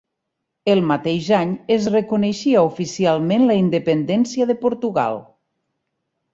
El mateix any es reconeixia oficialment la independència de Portugal.